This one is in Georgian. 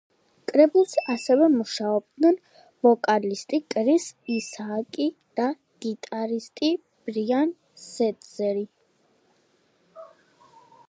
კრებულზე ასევე მუშაობდნენ ვოკალისტი კრის ისააკი და გიტარისტი ბრიან სეტზერი.